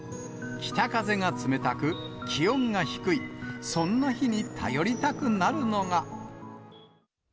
北風が冷たく、気温が低い、そんな日に頼りたくなるのが。